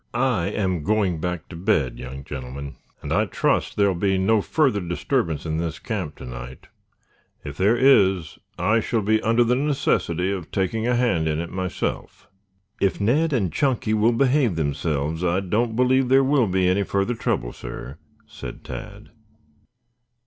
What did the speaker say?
"I am going back to bed, young gentlemen, and I trust there will be no further disturbance in this camp to night. If there is I shall be under the necessity of taking a hand in it myself." "If Ned and Chunky will behave themselves, I don't believe there will be any further trouble, sir," said Tad.